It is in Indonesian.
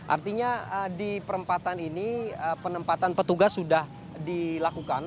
artinya di perempatan ini penempatan petugas sudah dilakukan